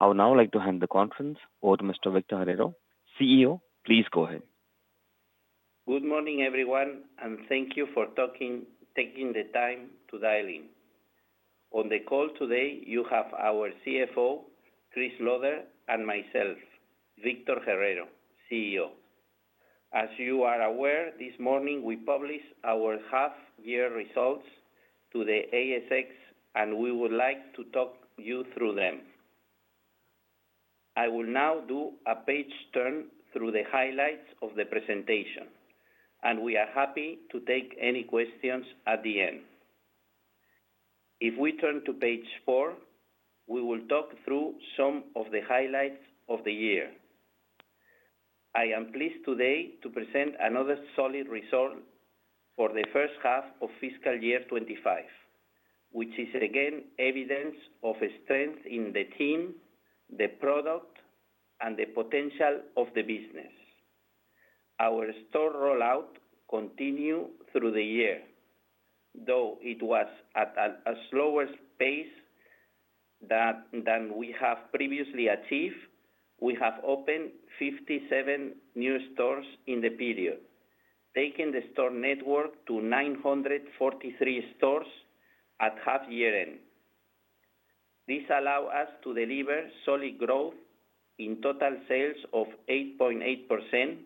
I would now like to hand the conference over to Mr. Victor Herrero, CEO. Please go ahead. Good morning, everyone, and thank you for taking the time to dial in. On the call today, you have our CFO, Chris Lauder, and myself, Victor Herrero, CEO. As you are aware, this morning we published our half-year results to the ASX, and we would like to talk you through them. I will now do a page turn through the highlights of the presentation, and we are happy to take any questions at the end. If we turn to page four, we will talk through some of the highlights of the year. I am pleased today to present another solid result for the first half of fiscal year 2025, which is again evidence of strength in the team, the product, and the potential of the business. Our store rollout continued through the year, though it was at a slower pace than we have previously achieved. We have opened 57 new stores in the period, taking the store network to 943 stores at half-year end. This allowed us to deliver solid growth in total sales of 8.8%,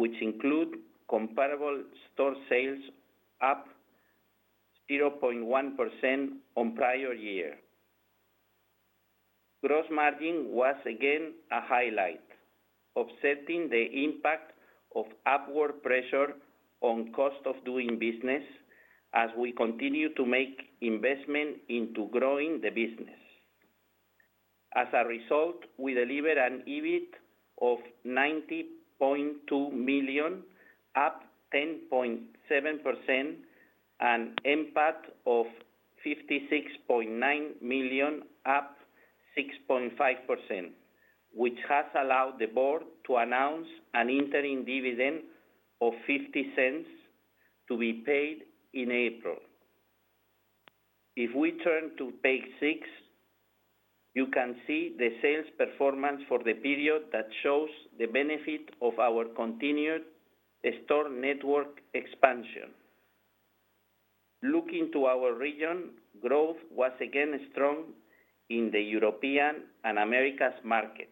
which included comparable store sales up 0.1% on prior year. Gross margin was again a highlight, offsetting the impact of upward pressure on cost of doing business as we continue to make investment into growing the business. As a result, we delivered an EBIT of $90.2 million, up 10.7%, and an NPAT of $56.9 million, up 6.5%, which has allowed the board to announce an interim dividend of $0.50 to be paid in April. If we turn to page six, you can see the sales performance for the period that shows the benefit of our continued store network expansion. Looking to our region, growth was again strong in the European and Americas market,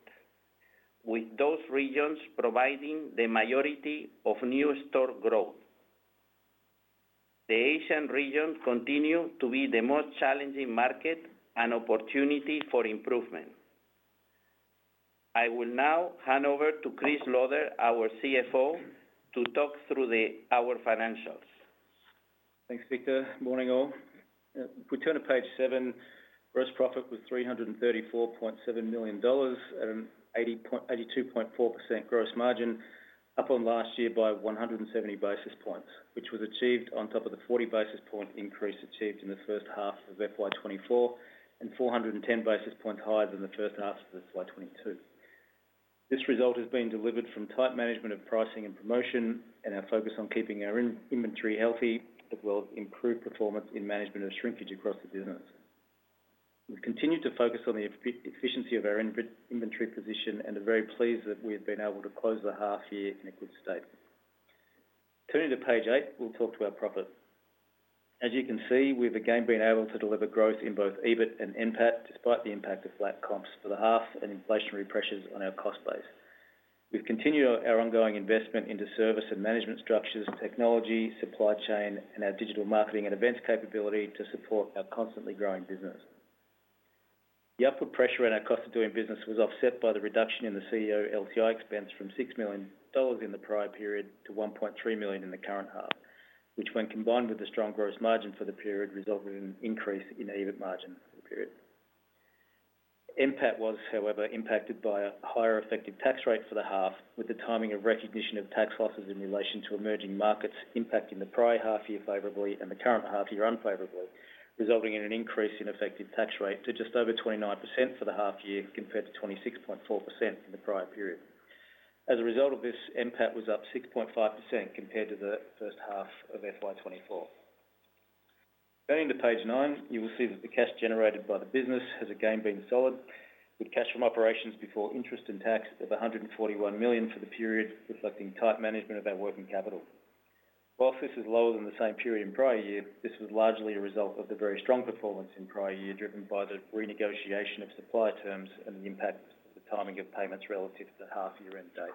with those regions providing the majority of new store growth. The Asian region continued to be the most challenging market and opportunity for improvement. I will now hand over to Chris Lauder, our CFO, to talk through our financials. Thanks, Victor. Morning all. If we turn to page seven, gross profit was $334.7 million at an 82.4% gross margin, up on last year by 170 basis points, which was achieved on top of the 40 basis point increase achieved in the first half of FY 2024 and 410 basis points higher than the first half of FY 2022. This result has been delivered from tight management of pricing and promotion and our focus on keeping our inventory healthy, as well as improved performance in management of shrinkage across the business. We've continued to focus on the efficiency of our inventory position and are very pleased that we have been able to close the half-year in a good state. Turning to page eight, we'll talk to our profit. As you can see, we've again been able to deliver growth in both EBIT and NPAT despite the impact of flat comps for the half and inflationary pressures on our cost base. We've continued our ongoing investment into service and management structures, technology, supply chain, and our digital marketing and events capability to support our constantly growing business. The upward pressure on our cost of doing business was offset by the reduction in the CEO LTI expense from $6 million in the prior period to $1.3 million in the current half, which, when combined with the strong gross margin for the period, resulted in an increase in EBIT margin for the period. NPAT was, however, impacted by a higher effective tax rate for the half, with the timing of recognition of tax losses in relation to emerging markets impacting the prior half-year favorably and the current half-year unfavorably, resulting in an increase in effective tax rate to just over 29% for the half-year compared to 26.4% in the prior period. As a result of this, NPAT was up 6.5% compared to the first half of FY 2024. Turning to page nine, you will see that the cash generated by the business has again been solid, with cash from operations before interest and tax of $141 million for the period, reflecting tight management of our working capital. While this is lower than the same period in prior year, this was largely a result of the very strong performance in prior year driven by the renegotiation of supply terms and the impact of the timing of payments relative to the half-year end date.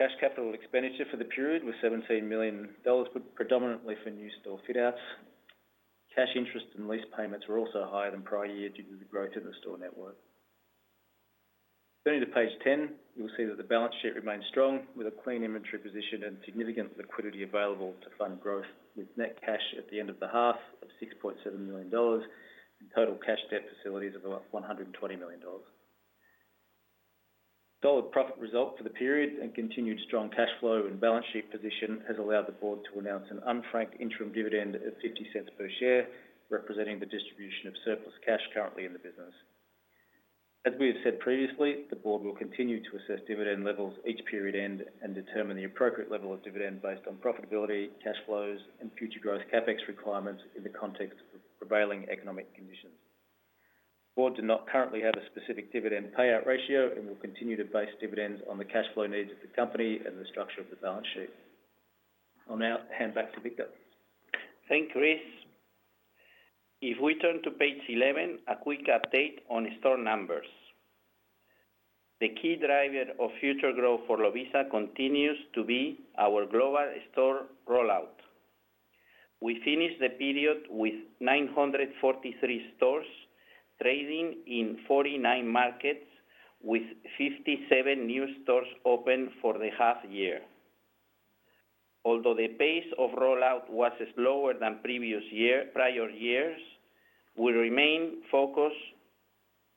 Cash capital expenditure for the period was $17 million, predominantly for new store fit-outs. Cash interest and lease payments were also higher than prior year due to the growth in the store network. Turning to page ten, you will see that the balance sheet remained strong, with a clean inventory position and significant liquidity available to fund growth, with net cash at the end of the half of $6.7 million and total cash debt facilities of about $120 million. Solid profit result for the period and continued strong cash flow and balance sheet position has allowed the board to announce an unfranked interim dividend of $0.50 per share, representing the distribution of surplus cash currently in the business. As we have said previously, the board will continue to assess dividend levels each period end and determine the appropriate level of dividend based on profitability, cash flows, and future growth CapEx requirements in the context of prevailing economic conditions. The board does not currently have a specific dividend payout ratio and will continue to base dividends on the cash flow needs of the company and the structure of the balance sheet. I'll now hand back to Victor. Thank you, Chris. If we turn to page 11, a quick update on store numbers. The key driver of future growth for Lovisa continues to be our global store rollout. We finished the period with 943 stores trading in 49 markets, with 57 new stores open for the half-year. Although the pace of rollout was slower than prior years, we remained focused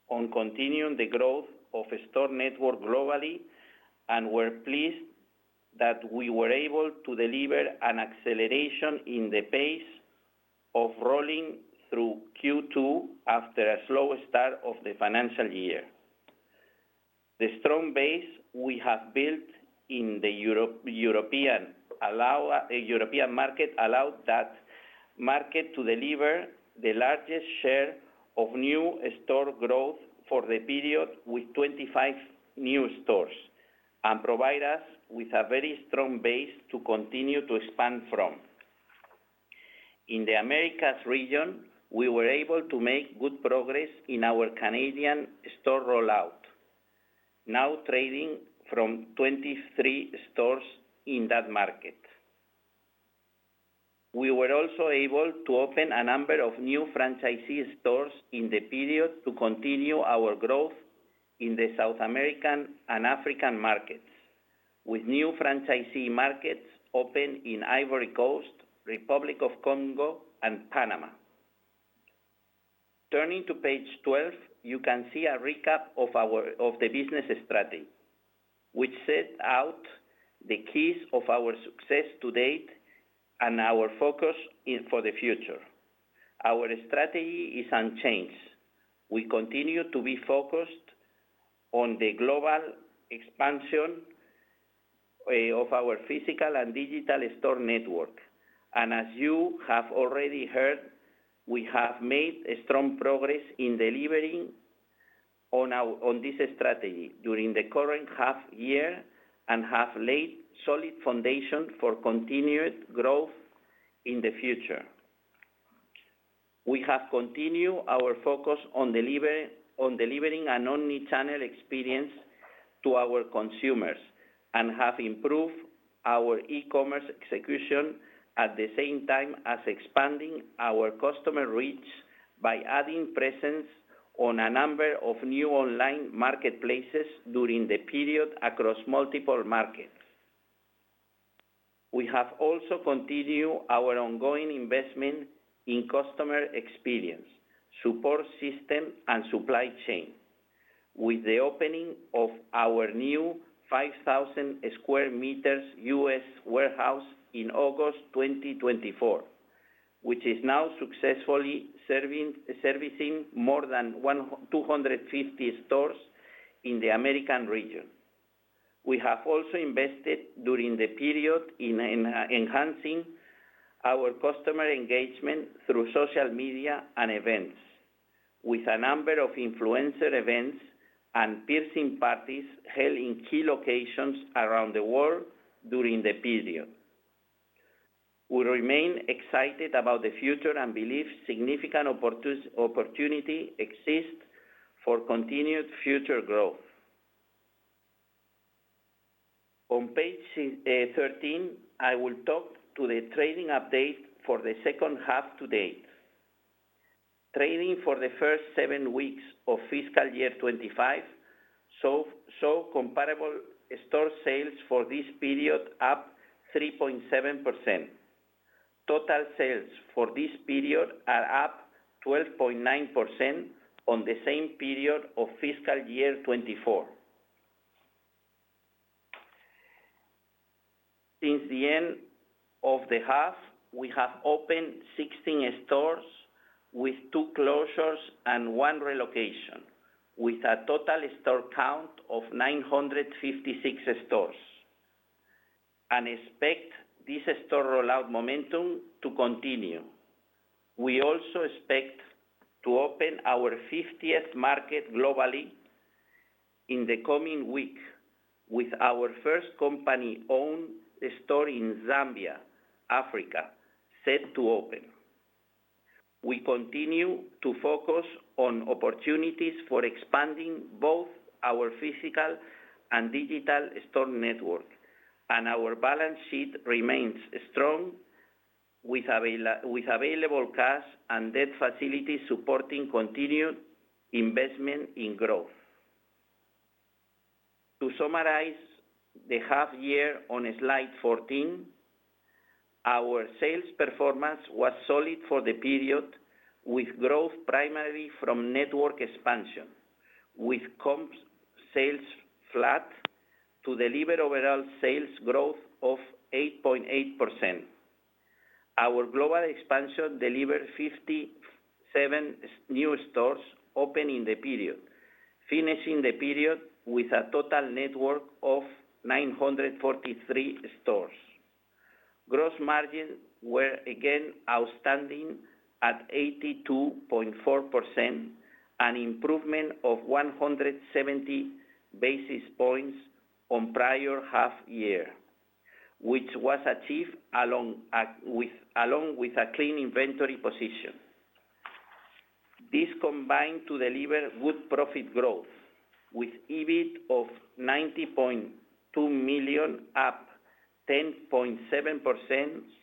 on continuing the growth of store network globally and were pleased that we were able to deliver an acceleration in the pace of rollout through Q2 after a slow start of the financial year. The strong base we have built in the European market allowed that market to deliver the largest share of new store growth for the period, with 25 new stores, and provide us with a very strong base to continue to expand from. In the Americas region, we were able to make good progress in our Canadian store rollout, now trading from 23 stores in that market. We were also able to open a number of new franchisee stores in the period to continue our growth in the South American and African markets, with new franchisee markets open in Ivory Coast, Republic of the Congo, and Panama. Turning to page 12, you can see a recap of the business strategy, which set out the keys of our success to date and our focus for the future. Our strategy is unchanged. We continue to be focused on the global expansion of our physical and digital store network. As you have already heard, we have made strong progress in delivering on this strategy during the current half-year and have laid solid foundations for continued growth in the future. We have continued our focus on delivering an omnichannel experience to our consumers and have improved our e-commerce execution at the same time as expanding our customer reach by adding presence on a number of new online marketplaces during the period across multiple markets. We have also continued our ongoing investment in customer experience, support system, and supply chain, with the opening of our new 5,000 square meters U.S. warehouse in August 2024, which is now successfully servicing more than 250 stores in the American region. We have also invested during the period in enhancing our customer engagement through social media and events, with a number of influencer events and piercing parties held in key locations around the world during the period. We remain excited about the future and believe significant opportunity exists for continued future growth. On page 13, I will talk to the trading update for the second half to date. Trading for the first seven weeks of fiscal year 2025 saw comparable store sales for this period up 3.7%. Total sales for this period are up 12.9% on the same period of fiscal year 2024. Since the end of the half, we have opened 16 stores with two closures and one relocation, with a total store count of 956 stores, and expect this store rollout momentum to continue. We also expect to open our 50th market globally in the coming week, with our first company-owned store in Zambia, Africa, set to open. We continue to focus on opportunities for expanding both our physical and digital store network, and our balance sheet remains strong with available cash and debt facilities supporting continued investment in growth. To summarize the half-year on slide 14, our sales performance was solid for the period, with growth primarily from network expansion, with comps sales flat to deliver overall sales growth of 8.8%. Our global expansion delivered 57 new stores open in the period, finishing the period with a total network of 943 stores. Gross margins were again outstanding at 82.4%, an improvement of 170 basis points on prior half-year, which was achieved along with a clean inventory position. This combined to deliver good profit growth, with EBIT of $90.2 million, up 10.7%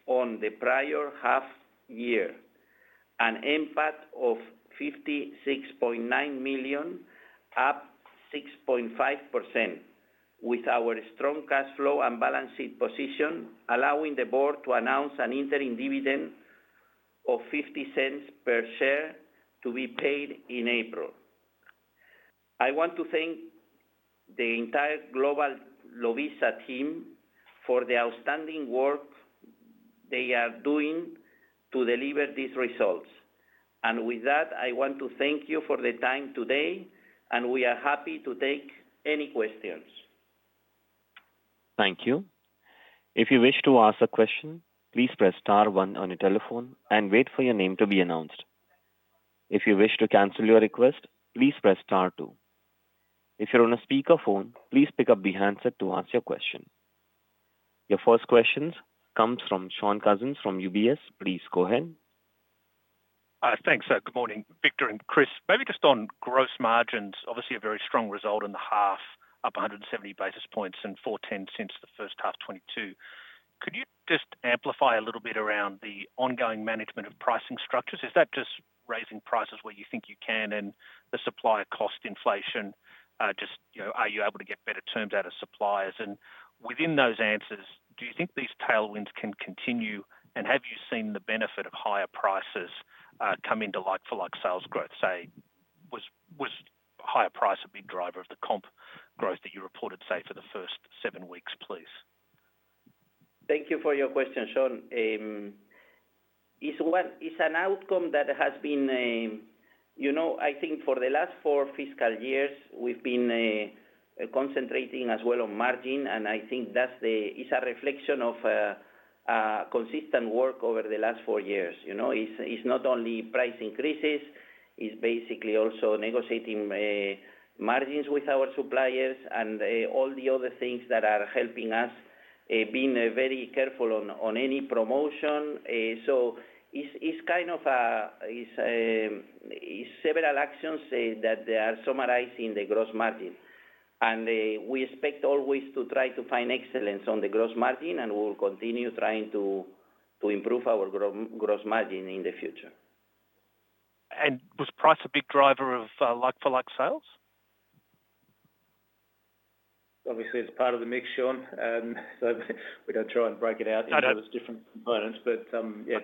on the prior half-year, an NPAT of $56.9 million, up 6.5%, with our strong cash flow and balance sheet position allowing the board to announce an interim dividend of $0.50 per share to be paid in April. I want to thank the entire global Lovisa team for the outstanding work they are doing to deliver these results. With that, I want to thank you for the time today, and we are happy to take any questions. Thank you. If you wish to ask a question, please press star one on your telephone and wait for your name to be announced. If you wish to cancel your request, please press star two. If you're on a speakerphone, please pick up the handset to ask your question. Your first question comes from Shaun Cousins from UBS. Please go ahead. Thanks, sir. Good morning, Victor and Chris. Maybe just on gross margins, obviously a very strong result in the half, up 170 basis points and 410 the first half 2022. Could you just amplify a little bit around the ongoing management of pricing structures? Is that just raising prices where you think you can and the supplier cost inflation? Just are you able to get better terms out of suppliers? And within those answers, do you think these tailwinds can continue? And have you seen the benefit of higher prices come into like-for-like sales growth? Say was higher price a big driver of the comp growth that you reported, say, for the first seven weeks, please? Thank you for your question, Shaun. It's an outcome that has been, I think, for the last four fiscal years, we've been concentrating as well on margin, and I think that's a reflection of consistent work over the last four years. It's not only price increases, it's basically also negotiating margins with our suppliers and all the other things that are helping us, being very careful on any promotion, so it's kind of several actions that are summarized in the gross margin, and we expect always to try to find excellence on the gross margin, and we'll continue trying to improve our gross margin in the future. Was price a big driver of like-for-like sales? Obviously, it's part of the mix, Shaun. So we don't try and break it out into those different components, but yeah,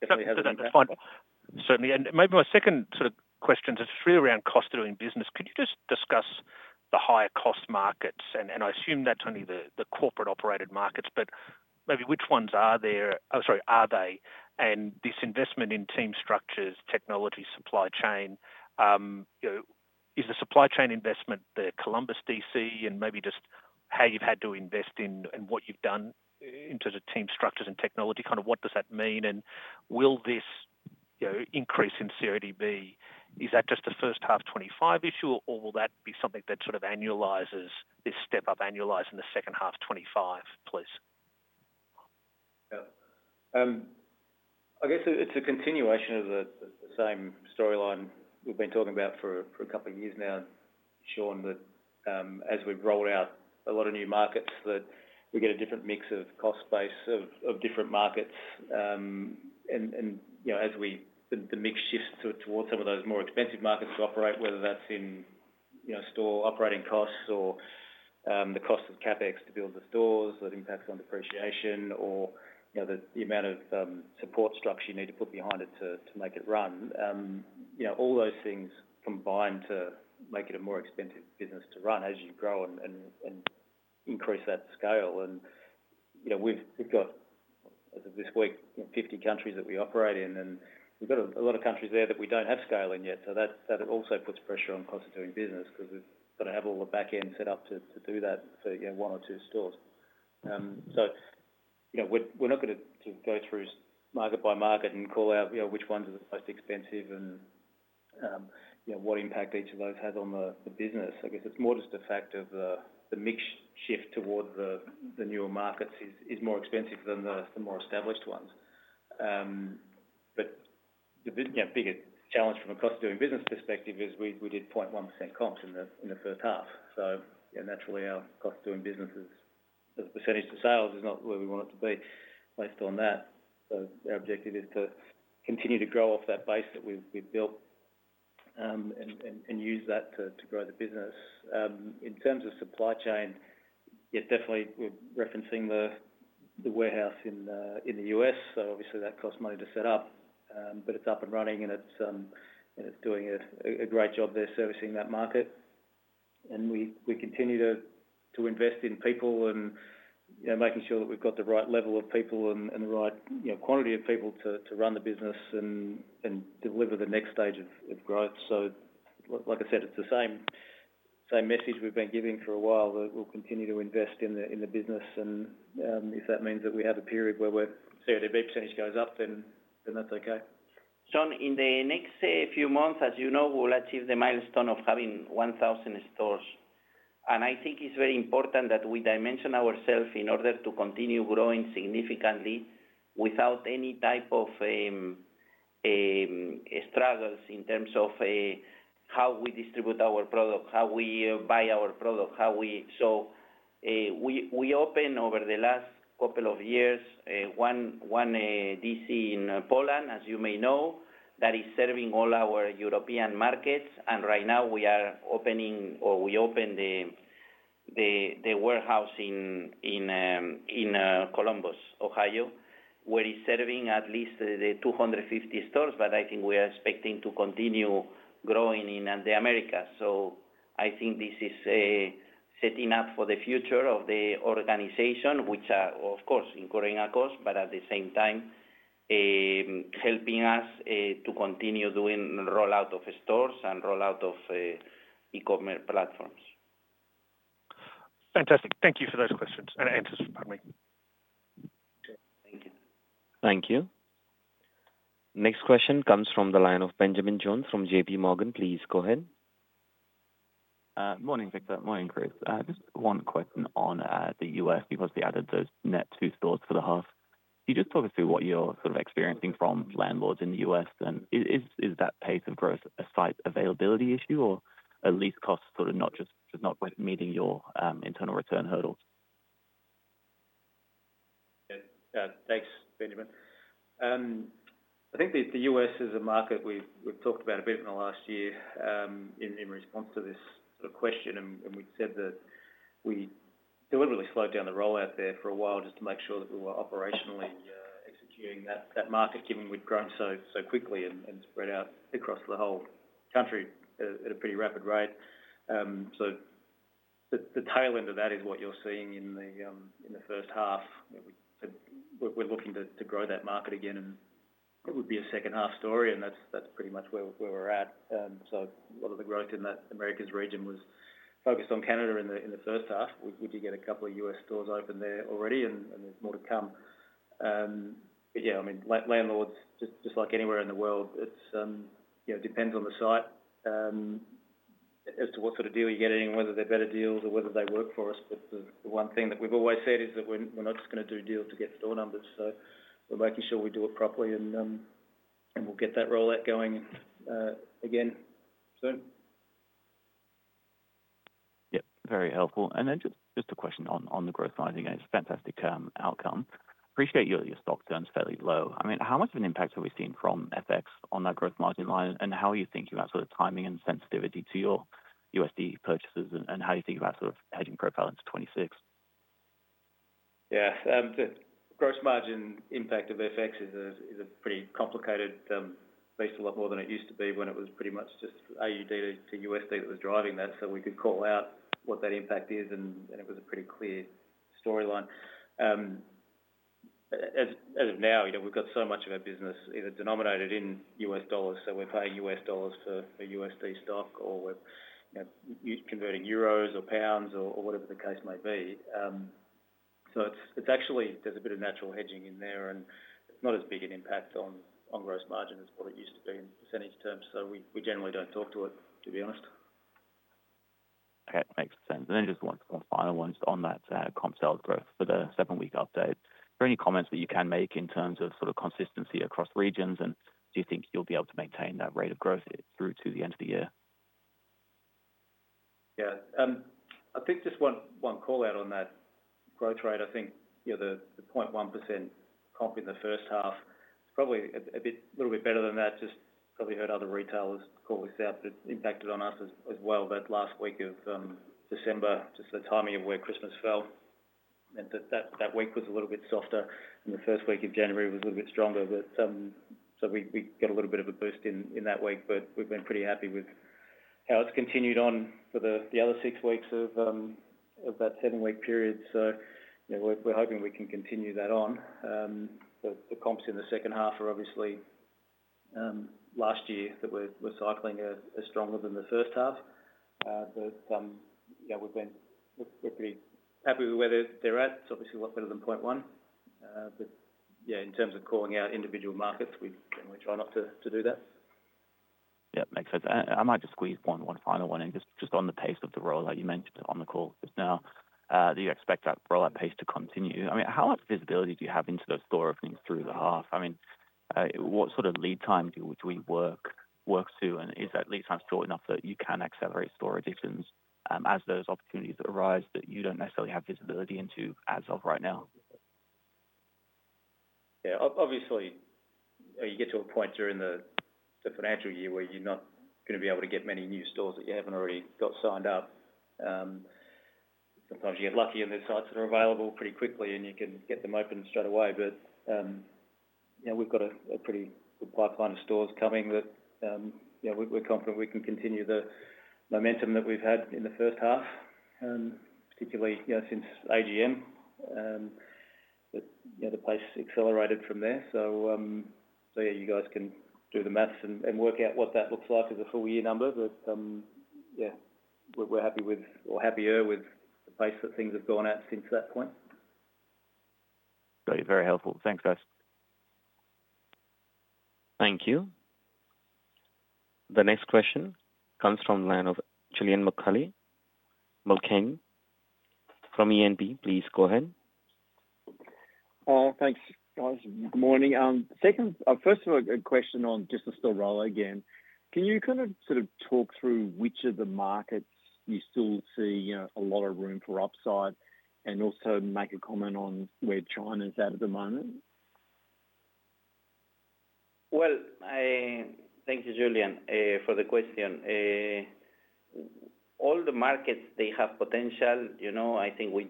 definitely has an impact. Certainly. And maybe my second sort of question is really around cost of doing business. Could you just discuss the higher cost markets? And I assume that's only the corporate-operated markets, but maybe which ones are there? Oh, sorry, are they? And this investment in team structures, technology, supply chain, is the supply chain investment the Columbus DC, and maybe just how you've had to invest in and what you've done in terms of team structures and technology? Kind of what does that mean? And will this increase in CODB, is that just the first half 2025 issue, or will that be something that sort of annualizes this step up, annualizing the second half 2025, please? Yeah. I guess it's a continuation of the same storyline we've been talking about for a couple of years now, Shaun, that as we've rolled out a lot of new markets, that we get a different mix of cost base of different markets. And as the mix shifts towards some of those more expensive markets to operate, whether that's in store operating costs or the cost of CapEx to build the stores that impacts on depreciation or the amount of support structure you need to put behind it to make it run. All those things combine to make it a more expensive business to run as you grow and increase that scale. And we've got, as of this week, 50 countries that we operate in, and we've got a lot of countries there that we don't have scale in yet. So that also puts pressure on cost of doing business because we've got to have all the back end set up to do that for one or two stores. So we're not going to go through market by market and call out which ones are the most expensive and what impact each of those has on the business. I guess it's more just a fact of the mix shift towards the newer markets is more expensive than the more established ones. But the biggest challenge from a cost of doing business perspective is we did 0.1% comps in the first half. So naturally, our cost of doing business, the percentage of sales is not where we want it to be based on that. So our objective is to continue to grow off that base that we've built and use that to grow the business. In terms of supply chain, yeah, definitely we're referencing the warehouse in the U.S. So obviously, that costs money to set up, but it's up and running and it's doing a great job there servicing that market. And we continue to invest in people and making sure that we've got the right level of people and the right quantity of people to run the business and deliver the next stage of growth. So like I said, it's the same message we've been giving for a while that we'll continue to invest in the business. And if that means that we have a period where we're CODB percentage goes up, then that's okay. Shaun, in the next few months, as you know, we'll achieve the milestone of having 1,000 stores. And I think it's very important that we dimension ourselves in order to continue growing significantly without any type of struggles in terms of how we distribute our product, how we buy our product. So we opened over the last couple of years one DC in Poland, as you may know, that is serving all our European markets. And right now, we are opening, or we opened the warehouse in Columbus, Ohio, where it's serving at least the 250 stores, but I think we are expecting to continue growing in the Americas. So I think this is setting up for the future of the organization, which are, of course, incurring a cost, but at the same time helping us to continue doing rollout of stores and rollout of e-commerce platforms. Fantastic. Thank you for those questions and answers. Pardon me. Thank you. Thank you. Next question comes from the line of Benjamin Jones from JPMorgan. Please go ahead. Morning, Victor. Morning, Chris. Just one question on the US because we added those net two stores for the half. Can you just talk us through what you're sort of experiencing from landlords in the US? And is that pace of growth a slight availability issue or a lease cost sort of not just meeting your internal return hurdles? Thanks, Benjamin. I think the U.S. is a market we've talked about a bit in the last year in response to this sort of question, and we said that we deliberately slowed down the rollout there for a while just to make sure that we were operationally executing that market, given we've grown so quickly and spread out across the whole country at a pretty rapid rate. So the tail end of that is what you're seeing in the first half. We're looking to grow that market again, and it would be a second half story, and that's pretty much where we're at, so a lot of the growth in the Americas region was focused on Canada in the first half. We did get a couple of U.S. stores open there already, and there's more to come. But yeah, I mean, landlords, just like anywhere in the world, it depends on the site as to what sort of deal you're getting and whether they're better deals or whether they work for us. But the one thing that we've always said is that we're not just going to do deals to get store numbers. So we're making sure we do it properly, and we'll get that rollout going again soon. Yep. Very helpful. And then just a question on the gross margin again. It's a fantastic outcome. Appreciate your stock turns fairly low. I mean, how much of an impact have we seen from FX on that gross margin line, and how are you thinking about sort of timing and sensitivity to your USD purchases, and how do you think about sort of hedging profile into 2026? Yeah. The gross margin impact of FX is a pretty complicated, at least a lot more than it used to be when it was pretty much just AUD to USD that was driving that. So we could call out what that impact is, and it was a pretty clear storyline. As of now, we've got so much of our business either denominated in US dollars, so we're paying US dollars for USD stock, or we're converting euros or pounds or whatever the case might be. So it's actually, there's a bit of natural hedging in there, and it's not as big an impact on gross margin as what it used to be in percentage terms. So we generally don't talk to it, to be honest. Okay. Makes sense. And then just one final one on that comp sales growth for the seven-week update. Are there any comments that you can make in terms of sort of consistency across regions, and do you think you'll be able to maintain that rate of growth through to the end of the year? Yeah. I think just one call out on that growth rate. I think the 0.1% comp in the first half is probably a little bit better than that. Just probably heard other retailers call this out, but it's impacted on us as well. That last week of December, just the timing of where Christmas fell, meant that that week was a little bit softer, and the first week of January was a little bit stronger. So we got a little bit of a boost in that week, but we've been pretty happy with how it's continued on for the other six weeks of that seven-week period. So we're hoping we can continue that on. The comps in the second half are obviously last year that we're cycling are stronger than the first half. But we're pretty happy with where they're at. It's obviously a lot better than 0.1%. But yeah, in terms of calling out individual markets, we try not to do that. Yep. Makes sense. I might just squeeze one final one in. Just on the pace of the rollout you mentioned on the call just now, do you expect that rollout pace to continue? I mean, how much visibility do you have into those store openings through the half? I mean, what sort of lead time do we work to? And is that lead time short enough that you can accelerate store additions as those opportunities arise that you don't necessarily have visibility into as of right now? Yeah. Obviously, you get to a point during the financial year where you're not going to be able to get many new stores that you haven't already got signed up. Sometimes you get lucky and there's sites that are available pretty quickly, and you can get them open straight away. But we've got a pretty good pipeline of stores coming that we're confident we can continue the momentum that we've had in the first half, particularly since AGM. The pace accelerated from there. So yeah, you guys can do the math and work out what that looks like as a full year number. But yeah, we're happy with or happier with the pace that things have gone at since that point. Very helpful. Thanks, guys. Thank you. The next question comes from Julian Mulcahy from E&P, please go ahead. Thanks, guys. Good morning. First of all, a question on just the store rollout again. Can you kind of sort of talk through which of the markets you still see a lot of room for upside and also make a comment on where China is at the moment? Thank you, Julian, for the question. All the markets, they have potential. I think we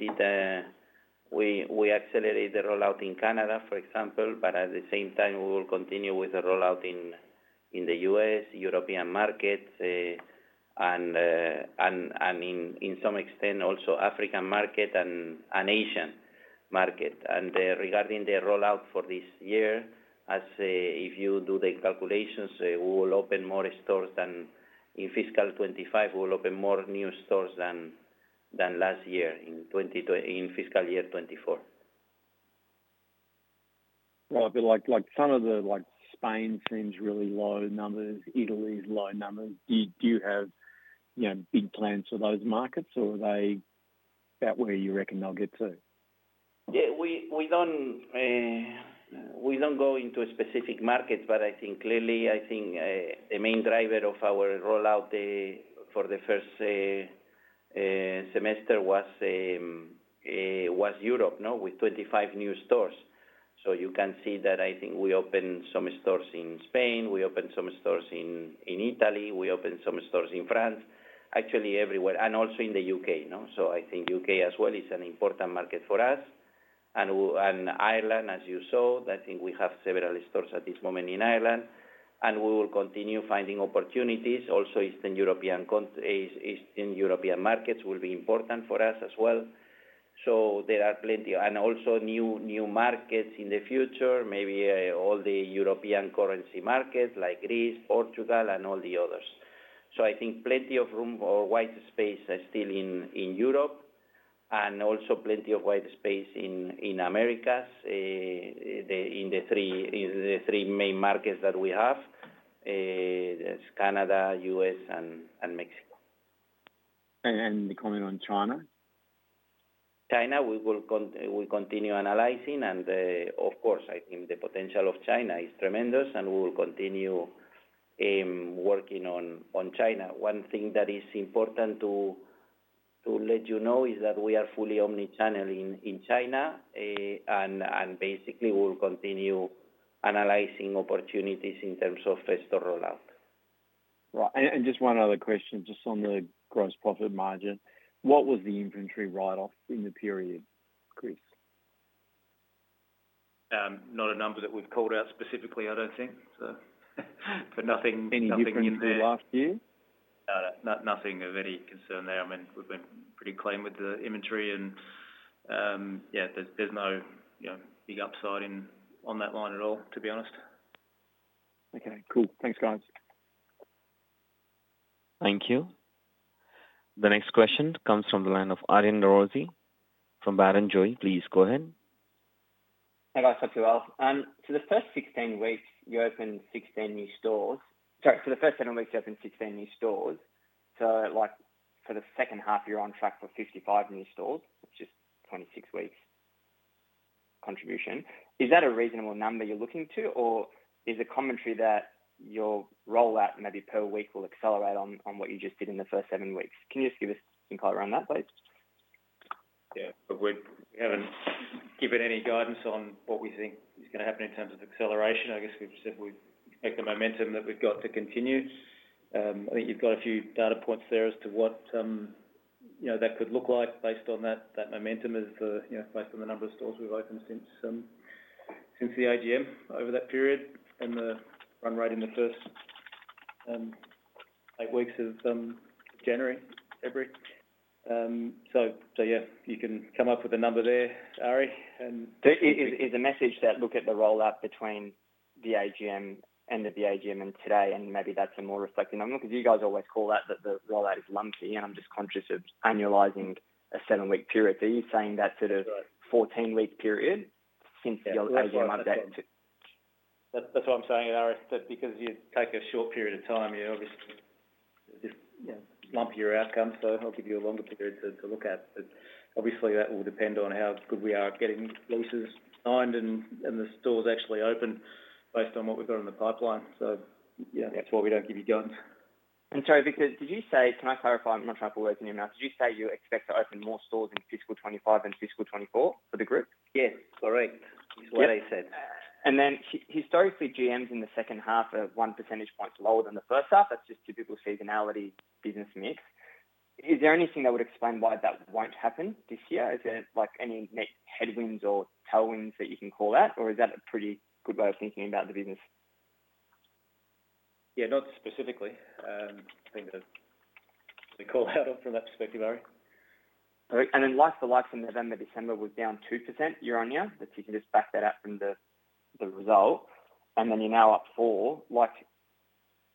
accelerate the rollout in Canada, for example, but at the same time, we will continue with the rollout in the U.S., European markets, and to some extent, also African market and Asian market. Regarding the rollout for this year, if you do the calculations, we will open more stores than in fiscal 2025. We will open more new stores than last year in fiscal year 2024. Some of the Spain seems really low numbers. Italy's low numbers. Do you have big plans for those markets, or are they about where you reckon they'll get to? Yeah. We don't go into specific markets, but I think clearly, I think the main driver of our rollout for the first semester was Europe with 25 new stores. You can see that I think we opened some stores in Spain, we opened some stores in Italy, we opened some stores in France, actually everywhere, and also in the UK. I think UK as well is an important market for us. Ireland, as you saw, I think we have several stores at this moment in Ireland, and we will continue finding opportunities. Eastern European markets will be important for us as well. There are plenty of and also new markets in the future, maybe all the European currency markets like Greece, Portugal, and all the others. So I think plenty of room or wide space still in Europe and also plenty of wide space in America in the three main markets that we have. It's Canada, U.S., and Mexico. The comment on China? China, we will continue analyzing, and of course, I think the potential of China is tremendous, and we will continue working on China. One thing that is important to let you know is that we are fully omnichannel in China, and basically, we'll continue analyzing opportunities in terms of store rollout. Right. And just one other question, just on the gross profit margin. What was the inventory write-off in the period, Chris? Not a number that we've called out specifically, I don't think. But nothing in the last year? Nothing of any concern there. I mean, we've been pretty clean with the inventory, and yeah, there's no big upside on that line at all, to be honest. Okay. Cool. Thanks, guys. Thank you. The next question comes from the line of Aryan Norozi from Barrenjoey, please go ahead. Hi, guys. Hope you're well. So the first 16 weeks, you opened 16 new stores. Sorry. So the first seven weeks, you opened 16 new stores. So for the second half, you're on track for 55 new stores, which is 26 weeks contribution. Is that a reasonable number you're looking to, or is the commentary that your rollout maybe per week will accelerate on what you just did in the first seven weeks? Can you just give us some color around that, please? Yeah. We haven't given any guidance on what we think is going to happen in terms of acceleration. I guess we've said we expect the momentum that we've got to continue. I think you've got a few data points there as to what that could look like based on that momentum and based on the number of stores we've opened since the AGM over that period and the run rate in the first eight weeks of January, February. So yeah, you can come up with a number there, Ari. Is the message that look at the rollout between the AGM and the AGM and today, and maybe that's a more reflective number? Because you guys always call out that the rollout is lumpy, and I'm just conscious of annualizing a seven-week period. Are you saying that sort of 14-week period since the AGM update? That's what I'm saying, Ari, because you take a short period of time, obviously, it's a lumpier outcome. So I'll give you a longer period to look at. But obviously, that will depend on how good we are at getting leases signed and the stores actually open based on what we've got in the pipeline. So yeah, that's why we don't give you guidance. Sorry, Victor, did you say, can I clarify? I'm not trying to put words in your mouth. Did you say you expect to open more stores in fiscal 2025 and fiscal 2024 for the group? Yes. Correct. That's what I said. And then historically, GM's in the second half are one percentage point lower than the first half. That's just typical seasonality business mix. Is there anything that would explain why that won't happen this year? Is there any net headwinds or tailwinds that you can call out, or is that a pretty good way of thinking about the business? Yeah. Not specifically. I think the call out from that perspective, Ari. And then, like, the likes of November, December was down 2% year-on-year. If you can just back that out from the result, and then you're now up 4%.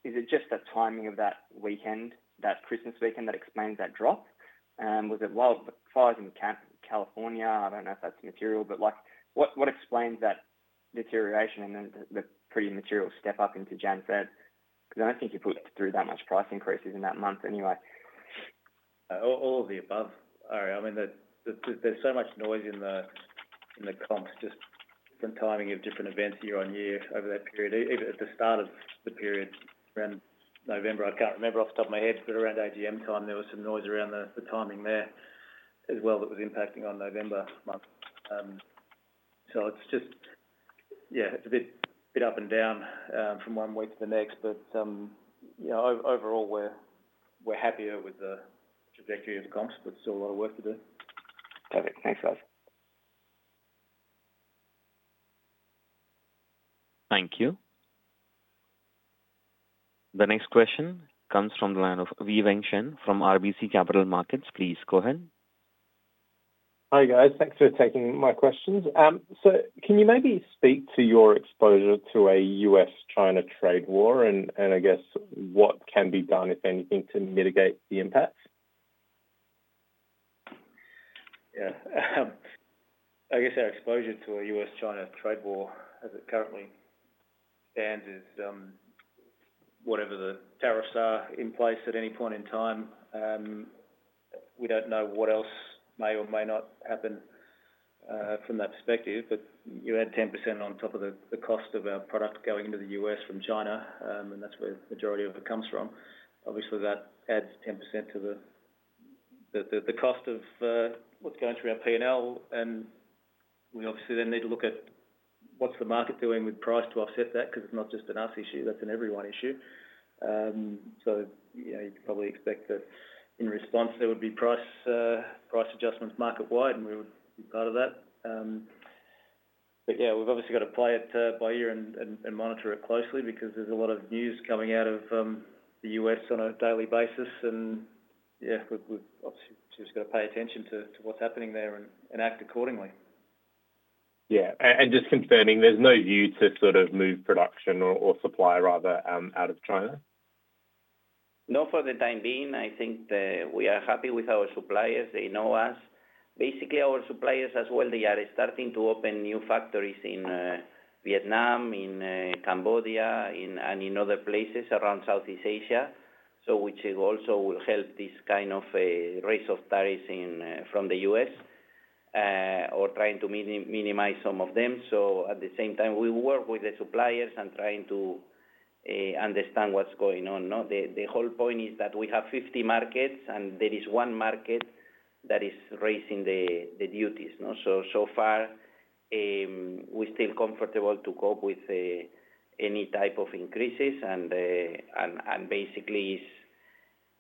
Is it just the timing of that weekend, that Christmas weekend, that explains that drop? Was it wildfires in California? I don't know if that's material, but what explains that deterioration and the pretty material step up into January-February? Because I don't think you put through that much price increases in that month anyway. All of the above, Ari. I mean, there's so much noise in the comps just from timing of different events year on year over that period. Even at the start of the period, around November, I can't remember off the top of my head, but around AGM time, there was some noise around the timing there as well that was impacting on November month. So it's just, yeah, it's a bit up and down from one week to the next. But overall, we're happier with the trajectory of comps, but still a lot of work to do. Perfect. Thanks, guys. Thank you. The next question comes from the line of Wei-Weng Chen from RBC Capital Markets. Please go ahead. Hi guys. Thanks for taking my questions. So can you maybe speak to your exposure to a U.S.-China trade war and, I guess, what can be done, if anything, to mitigate the impact? Yeah. I guess our exposure to a U.S.-China trade war as it currently stands is whatever the tariffs are in place at any point in time. We don't know what else may or may not happen from that perspective. But you add 10% on top of the cost of our product going into the U.S. from China, and that's where the majority of it comes from. Obviously, that adds 10% to the cost of what's going through our P&L. And we obviously then need to look at what's the market doing with price to offset that because it's not just an us issue. That's an everyone issue. So you'd probably expect that in response, there would be price adjustments marketwide, and we would be part of that. But yeah, we've obviously got to play it by ear and monitor it closely because there's a lot of news coming out of the U.S. on a daily basis. And yeah, we've obviously just got to pay attention to what's happening there and act accordingly. Yeah, and just confirming, there's no view to sort of move production or supply, rather, out of China? Not for the time being. I think we are happy with our suppliers. They know us. Basically, our suppliers as well, they are starting to open new factories in Vietnam, in Cambodia, and in other places around Southeast Asia, which also will help this kind of raise of tariffs from the U.S. or trying to minimize some of them. So at the same time, we work with the suppliers and trying to understand what's going on. The whole point is that we have 50 markets, and there is one market that is raising the duties. So far, we're still comfortable to cope with any type of increases. And basically,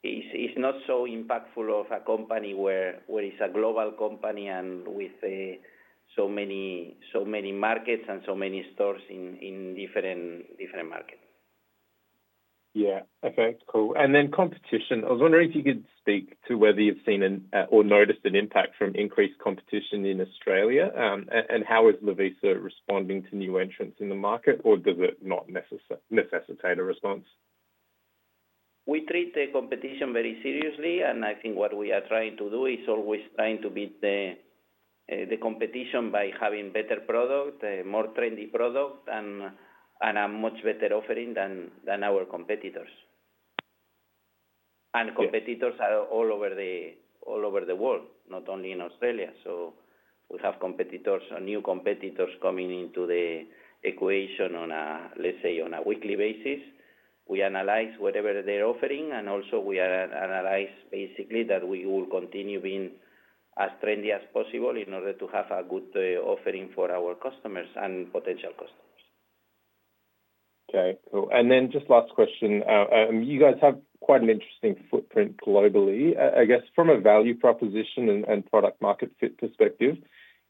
it's not so impactful of a company where it's a global company and with so many markets and so many stores in different markets. Yeah. Okay. Cool. And then competition. I was wondering if you could speak to whether you've seen or noticed an impact from increased competition in Australia, and how is Lovisa responding to new entrants in the market, or does it not necessitate a response? We treat the competition very seriously, and I think what we are trying to do is always trying to beat the competition by having better product, more trendy product, and a much better offering than our competitors. And competitors are all over the world, not only in Australia. So we have new competitors coming into the equation on a, let's say, on a weekly basis. We analyze whatever they're offering, and also we analyze basically that we will continue being as trendy as possible in order to have a good offering for our customers and potential customers. Okay. Cool. And then just last question. You guys have quite an interesting footprint globally. I guess from a value proposition and product market fit perspective,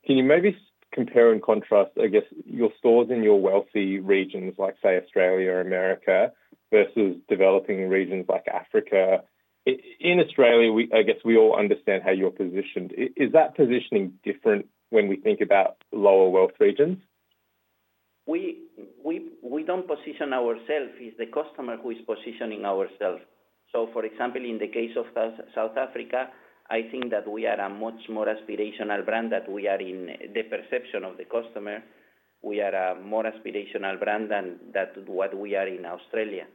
can you maybe compare and contrast, I guess, your stores in your wealthy regions like, say, Australia or America versus developing regions like Africa? In Australia, I guess we all understand how you're positioned. Is that positioning different when we think about lower wealth regions? We don't position ourselves. It's the customer who is positioning ourselves. So for example, in the case of South Africa, I think that we are a much more aspirational brand that we are in the perception of the customer. We are a more aspirational brand than what we are in Australia.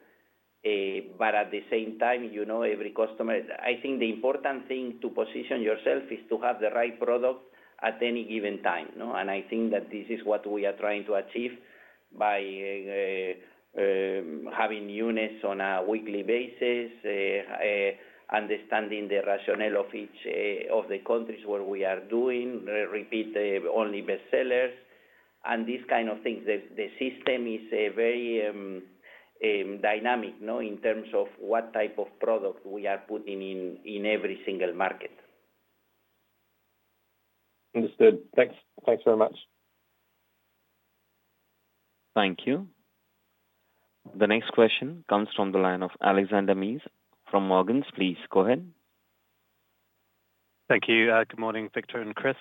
But at the same time, every customer, I think the important thing to position yourself is to have the right product at any given time. And I think that this is what we are trying to achieve by having units on a weekly basis, understanding the rationale of each of the countries where we are doing, repeat only bestsellers, and these kind of things. The system is very dynamic in terms of what type of product we are putting in every single market. Understood. Thanks. Thanks very much. Thank you. The next question comes from the line of Alexander Mees from Morgans. Please go ahead. Thank you. Good morning, Victor and Chris.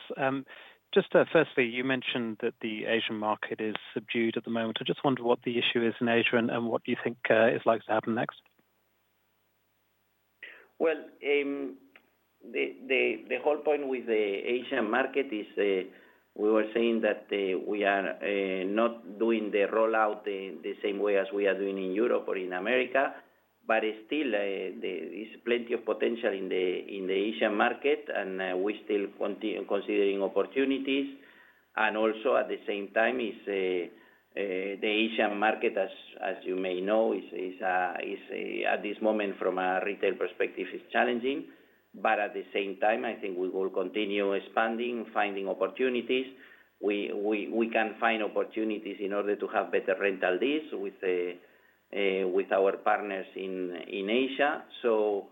Just firstly, you mentioned that the Asian market is subdued at the moment. I just wonder what the issue is in Asia and what you think is likely to happen next. The whole point with the Asian market is we were saying that we are not doing the rollout the same way as we are doing in Europe or in America, but still, there is plenty of potential in the Asian market, and we're still considering opportunities. Also, at the same time, the Asian market, as you may know, is at this moment, from a retail perspective, challenging. At the same time, I think we will continue expanding, finding opportunities. We can find opportunities in order to have better rental deals with our partners in Asia. So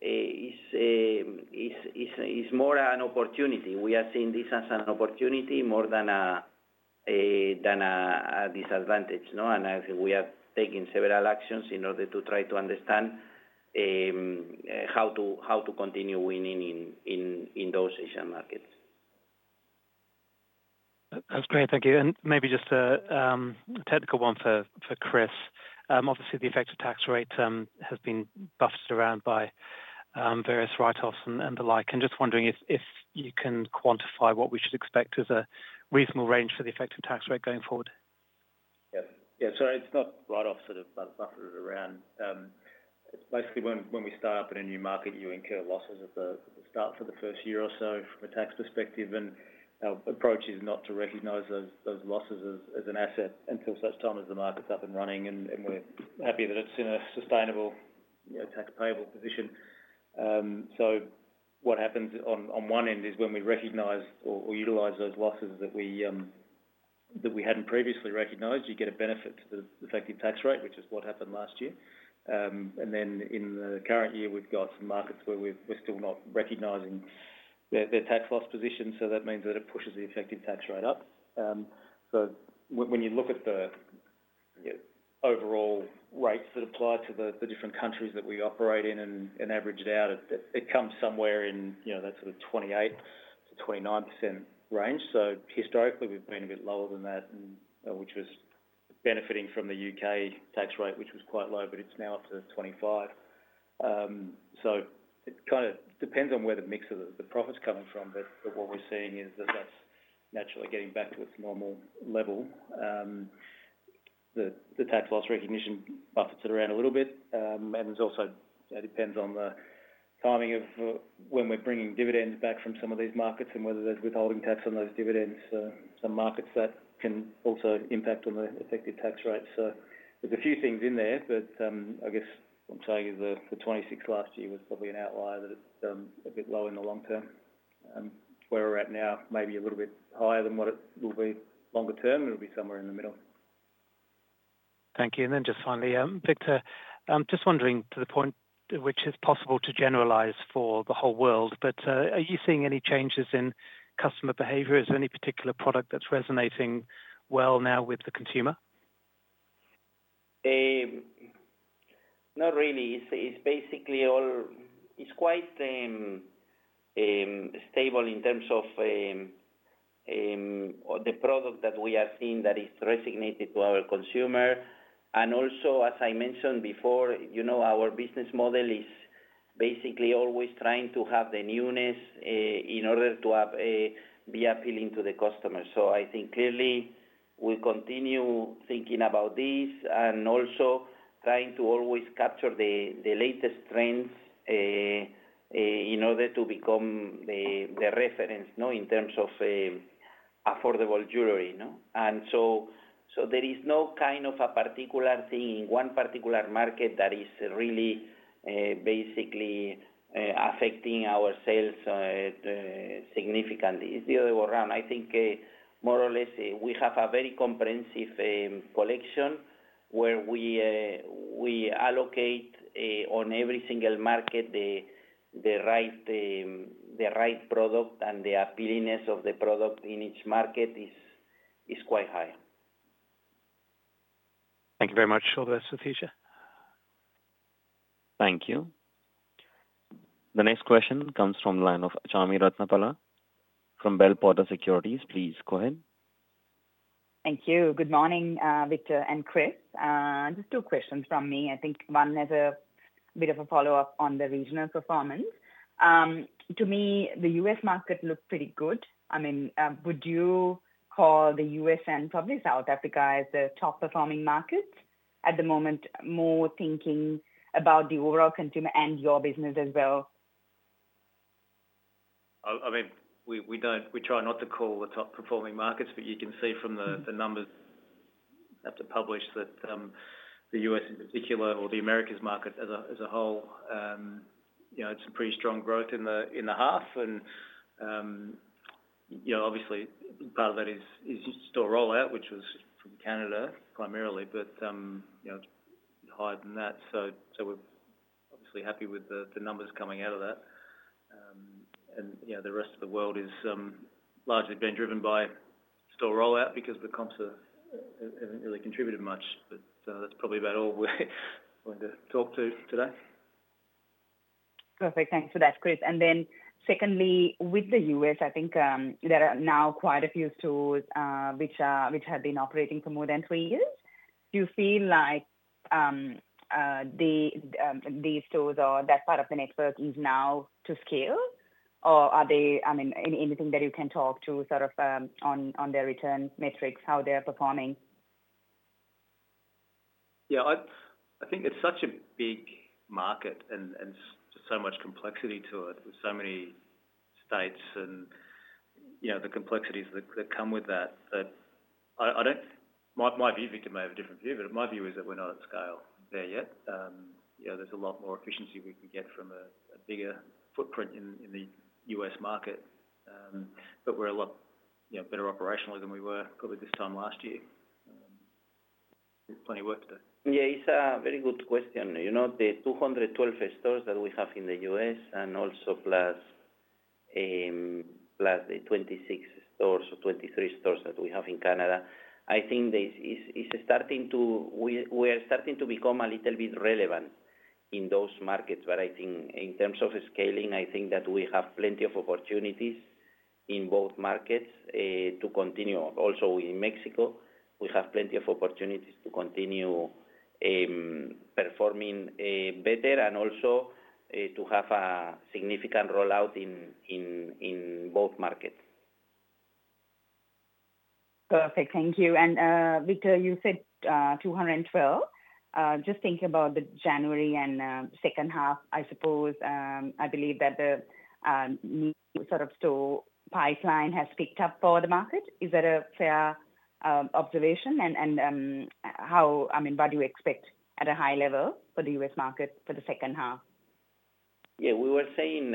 it's more an opportunity. We are seeing this as an opportunity more than a disadvantage. I think we are taking several actions in order to try to understand how to continue winning in those Asian markets. That's great. Thank you. And maybe just a technical one for Chris. Obviously, the effective tax rate has been buffered around by various write-offs and the like. I'm just wondering if you can quantify what we should expect as a reasonable range for the effective tax rate going forward? Yeah. Yeah. Sorry. It's not write-offs that are buffered around. It's basically when we start up in a new market, you incur losses at the start for the first year or so from a tax perspective, and our approach is not to recognize those losses as an asset until such time as the market's up and running, and we're happy that it's in a sustainable tax-payable position, so what happens on one end is when we recognize or utilize those losses that we hadn't previously recognized, you get a benefit to the effective tax rate, which is what happened last year, and then in the current year, we've got some markets where we're still not recognizing their tax loss position, so that means that it pushes the effective tax rate up. So when you look at the overall rates that apply to the different countries that we operate in and average it out, it comes somewhere in that sort of 28%-29% range. Historically, we've been a bit lower than that, which was benefiting from the UK tax rate, which was quite low, but it's now up to 25%. It kind of depends on where the mix of the profits is coming from, but what we're seeing is that that's naturally getting back to its normal level. The tax loss recognition buffers it around a little bit. It also depends on the timing of when we're bringing dividends back from some of these markets and whether there's withholding tax on those dividends. Some markets that can also impact on the effective tax rate. So, there's a few things in there, but I guess I'm telling you the 26 last year was probably an outlier, that it's a bit low in the long term. Where we're at now, maybe a little bit higher than what it will be longer term. It'll be somewhere in the middle. Thank you. And then just finally, Victor, I'm just wondering to the point which is possible to generalize for the whole world, but are you seeing any changes in customer behavior? Is there any particular product that's resonating well now with the consumer? Not really. It's basically all. It's quite stable in terms of the product that we are seeing that is resonating to our consumer. And also, as I mentioned before, our business model is basically always trying to have the newness in order to be appealing to the customer. So I think clearly we'll continue thinking about this and also trying to always capture the latest trends in order to become the reference in terms of affordable jewelry. And so there is no kind of a particular thing in one particular market that is really basically affecting our sales significantly. It's the other way around. I think more or less we have a very comprehensive collection where we allocate on every single market the right product and the appealingness of the product in each market is quite high. Thank you very much. So much efficient. Thank you. The next question comes from the line of Chami Ratnapala from Bell Potter Securities. Please go ahead. Thank you. Good morning, Victor and Chris. Just two questions from me. I think one is a bit of a follow-up on the regional performance. To me, the U.S. market looked pretty good. I mean, would you call the U.S. and probably South Africa as the top-performing markets at the moment, more thinking about the overall consumer and your business as well? I mean, we try not to call the top-performing markets, but you can see from the numbers that are published that the U.S. in particular or the Americas market as a whole. It's a pretty strong growth in the half. Obviously, part of that is store rollout, which was from Canada primarily, but higher than that. We're obviously happy with the numbers coming out of that. The rest of the world has largely been driven by store rollout because the comps haven't really contributed much. That's probably about all we're going to talk to today. Perfect. Thanks for that, Chris. And then secondly, with the US, I think there are now quite a few stores which have been operating for more than three years. Do you feel like these stores or that part of the network is now to scale, or are there anything that you can talk to sort of on their return metrics, how they're performing? Yeah. I think it's such a big market and so much complexity to it with so many states and the complexities that come with that that I don't. My view, Victor may have a different view, but my view is that we're not at scale there yet. There's a lot more efficiency we can get from a bigger footprint in the U.S. market, but we're a lot better operationally than we were probably this time last year. There's plenty of work to do. Yeah. It's a very good question. The 212 stores that we have in the U.S. and also plus the 26 stores or 23 stores that we have in Canada, I think it's starting to, we are starting to become a little bit relevant in those markets. But I think in terms of scaling, I think that we have plenty of opportunities in both markets to continue. Also, in Mexico, we have plenty of opportunities to continue performing better and also to have a significant rollout in both markets. Perfect. Thank you. And Victor, you said 212. Just thinking about the January and second half, I suppose I believe that the new sort of store pipeline has picked up for the market. Is that a fair observation? And how, I mean, what do you expect at a high level for the US market for the second half? Yeah. We were saying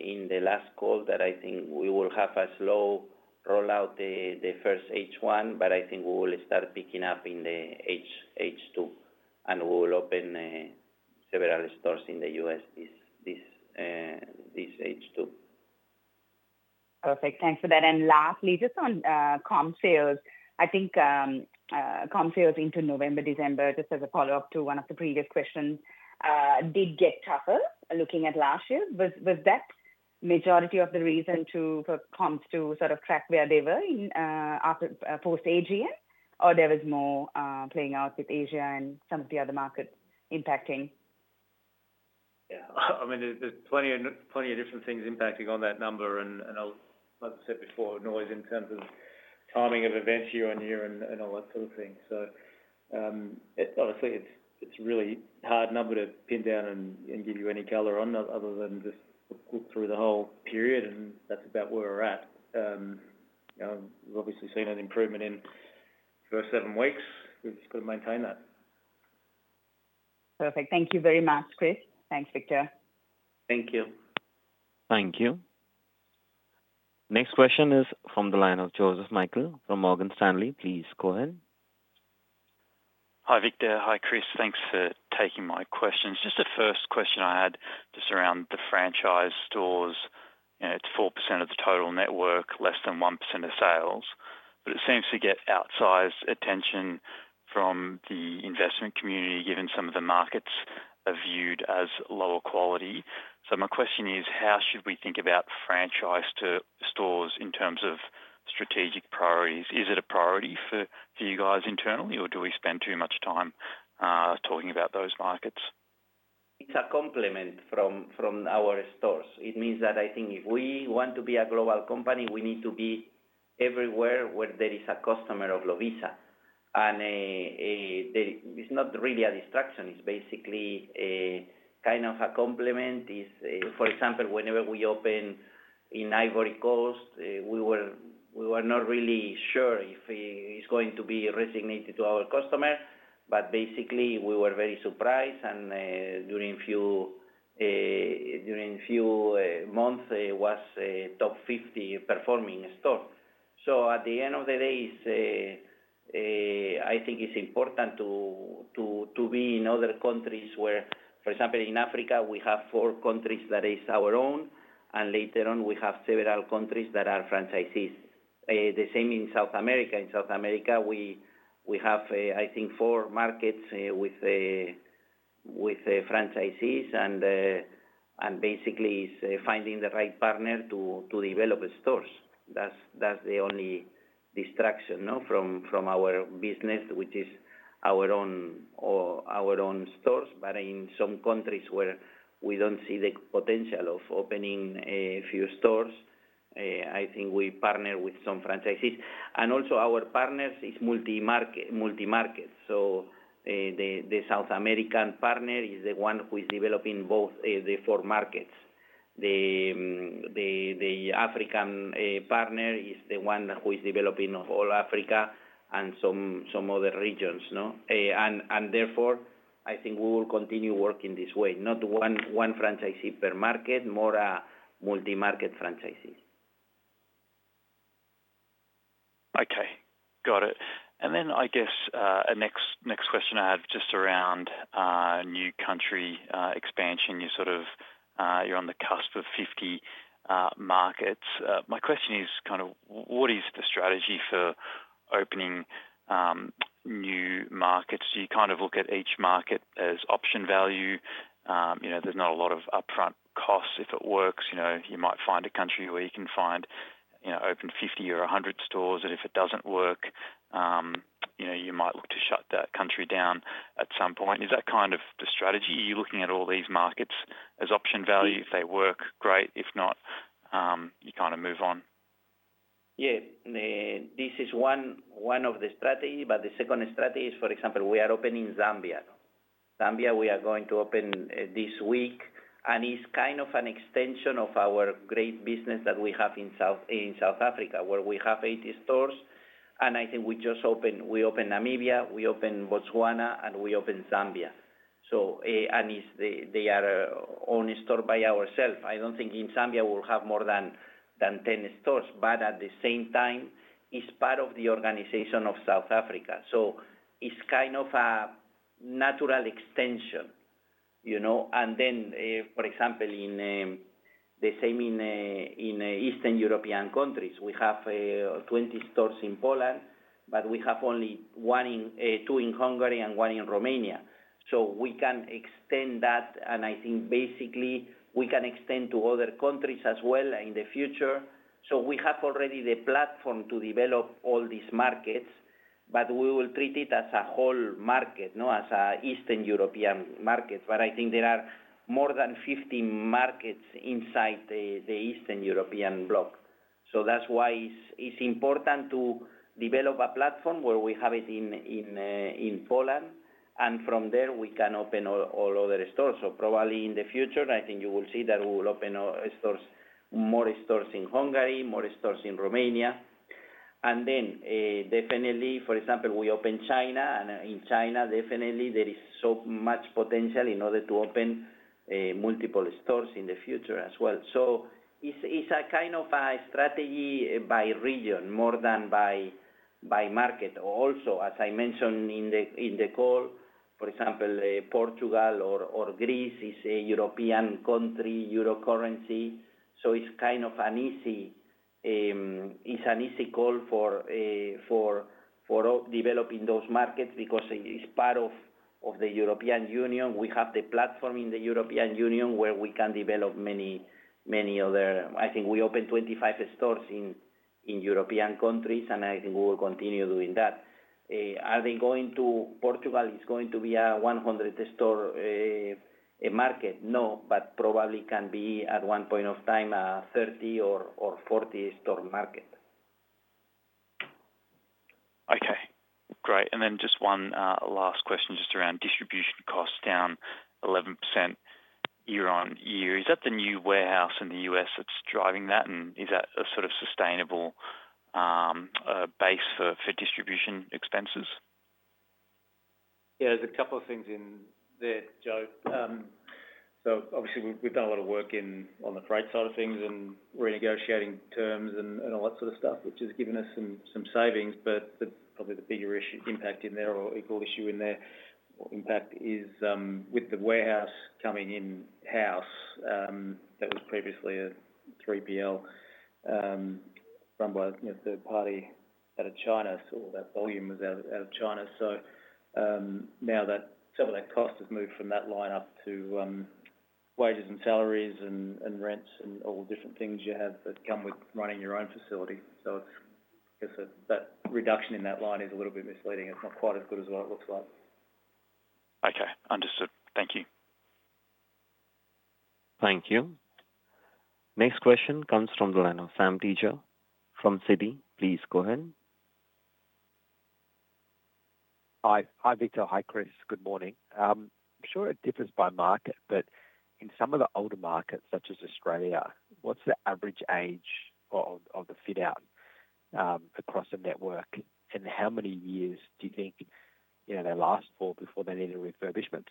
in the last call that I think we will have a slow rollout the first H1, but I think we will start picking up in the H2, and we will open several stores in the U.S. this H2. Perfect. Thanks for that. And lastly, just on comp sales, I think comp sales into November, December, just as a follow-up to one of the previous questions, did get tougher looking at last year. Was that majority of the reason for comps to sort of crack where they were post-AGM, or there was more playing out with Asia and some of the other markets impacting? Yeah. I mean, there's plenty of different things impacting on that number, and like I said before, noise in terms of timing of events year on year and all that sort of thing. So obviously, it's a really hard number to pin down and give you any color on other than just look through the whole period, and that's about where we're at. We've obviously seen an improvement in the first seven weeks. We've just got to maintain that. Perfect. Thank you very much, Chris. Thanks, Victor. Thank you. Thank you. Next question is from the line of Joseph Michael from Morgan Stanley. Please go ahead. Hi, Victor. Hi, Chris. Thanks for taking my questions. Just the first question I had just around the franchise stores. It's 4% of the total network, less than 1% of sales. But it seems to get outsized attention from the investment community given some of the markets are viewed as lower quality. So my question is, how should we think about franchise stores in terms of strategic priorities? Is it a priority for you guys internally, or do we spend too much time talking about those markets? It's a complement from our stores. It means that I think if we want to be a global company, we need to be everywhere where there is a customer of Lovisa, and it's not really a distraction. It's basically kind of a complement. For example, whenever we open in Ivory Coast, we were not really sure if it's going to resonate with our customer, but basically, we were very surprised, and during a few months, it was a top 50 performing store, so at the end of the day, I think it's important to be in other countries where, for example, in Africa, we have four countries that are our own, and later on, we have several countries that are franchisees. The same in South America. In South America, we have, I think, four markets with franchisees and basically finding the right partner to develop stores. That's the only distraction from our business, which is our own stores. But in some countries where we don't see the potential of opening a few stores, I think we partner with some franchisees. And also, our partners are multi-market. So the South American partner is the one who is developing both the four markets. The African partner is the one who is developing all Africa and some other regions. And therefore, I think we will continue working this way. Not one franchisee per market, more multi-market franchisees. Okay. Got it. And then I guess a next question I had just around new country expansion. You're on the cusp of 50 markets. My question is kind of what is the strategy for opening new markets? Do you kind of look at each market as option value? There's not a lot of upfront costs. If it works, you might find a country where you can find open 50 or 100 stores. And if it doesn't work, you might look to shut that country down at some point. Is that kind of the strategy? Are you looking at all these markets as option value? If they work, great. If not, you kind of move on? Yeah. This is one of the strategies, but the second strategy is, for example, we are opening Zambia. Zambia, we are going to open this week. And it's kind of an extension of our great business that we have in South Africa, where we have 80 stores. And I think we open Namibia, we open Botswana, and we open Zambia. And they are company-owned stores. I don't think in Zambia we'll have more than 10 stores, but at the same time, it's part of the organization of South Africa. So it's kind of a natural extension. And then, for example, the same in Eastern European countries. We have 20 stores in Poland, but we have only two in Hungary and one in Romania. So we can extend that. And I think basically, we can extend to other countries as well in the future. We have already the platform to develop all these markets, but we will treat it as a whole market, as an Eastern European market. I think there are more than 50 markets inside the Eastern European bloc. That's why it's important to develop a platform where we have it in Poland. From there, we can open all other stores. Probably in the future, I think you will see that we will open more stores in Hungary, more stores in Romania. Definitely, for example, we open China. In China, definitely, there is so much potential in order to open multiple stores in the future as well. It's a kind of a strategy by region more than by market. Also, as I mentioned in the call, for example, Portugal or Greece is a European country, Euro currency. So it's kind of an easy call for developing those markets because it's part of the European Union. We have the platform in the European Union where we can develop many other. I think we opened 25 stores in European countries, and I think we will continue doing that. Portugal is going to be a 100-store market. No, but probably can be at one point of time a 30- or 40-store market. Okay. Great. And then just one last question just around distribution costs down 11% year on year. Is that the new warehouse in the U.S. that's driving that? And is that a sort of sustainable base for distribution expenses? Yeah. There's a couple of things in there, Joe. So obviously, we've done a lot of work on the freight side of things and renegotiating terms and all that sort of stuff, which has given us some savings. But probably the bigger impact in there or equal issue in there or impact is with the warehouse coming in-house that was previously a 3PL run by a third party out of China. So that volume was out of China. So now that some of that cost has moved from that line up to wages and salaries and rents and all the different things you have that come with running your own facility. So I guess that reduction in that line is a little bit misleading. It's not quite as good as what it looks like. Okay. Understood. Thank you. Thank you. Next question comes from the line of Sam Teeger from Citi, please go ahead. Hi, Victor. Hi, Chris. Good morning. I'm sure it differs by market, but in some of the older markets, such as Australia, what's the average age of the fit-out across the network? And how many years do you think they last for before they need a refurbishment?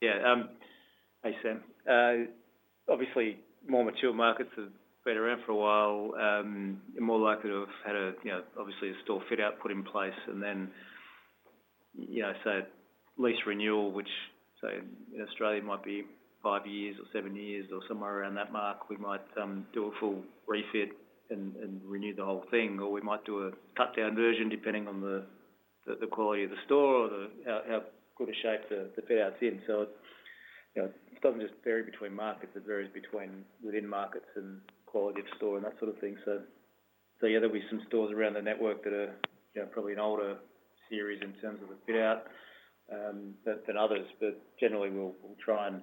Yeah. Hey, Sam. Obviously, more mature markets have been around for a while. You're more likely to have had, obviously, a store fit-out put in place, and then, say, lease renewal, which in Australia might be five years or seven years or somewhere around that mark. We might do a full refit and renew the whole thing, or we might do a cut-down version depending on the quality of the store or how good a shape the fit-out's in, so it doesn't just vary between markets. It varies within markets and quality of store and that sort of thing, so yeah, there'll be some stores around the network that are probably an older series in terms of the fit-out than others, but generally, we'll try and